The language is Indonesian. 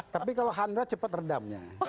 tapi kalau handra cepat redamnya